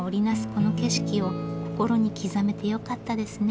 この景色を心に刻めてよかったですね。